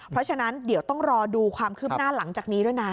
เพราะฉะนั้นเดี๋ยวต้องรอดูความคืบหน้าหลังจากนี้ด้วยนะ